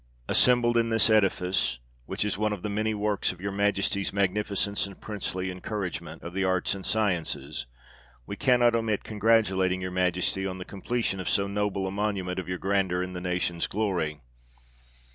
" Assembled in this edifice, which is one of the many marks of your Majesty's magnificence, and princely encouragement of the arts and sciences, we cannot omit congratulating your Majesty on the completion of so noble a monument of your grandeur and the nation's glory.